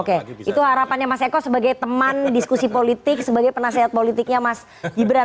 oke itu harapannya mas eko sebagai teman diskusi politik sebagai penasehat politiknya mas gibran